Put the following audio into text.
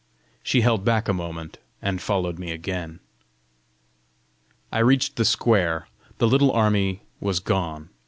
She held back a moment, and followed me again. I reached the square: the little army was gone!